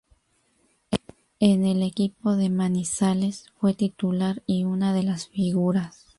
En el equipo de Manizales, fue titular y una de las figuras.